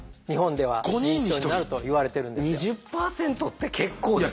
２０％って結構ですよ。